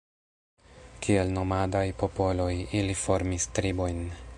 Kiel nomadaj popoloj, ili formis tribojn.